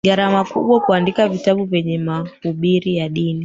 gharama kubwa kuandika vitabu vyenye mahubiri ya dini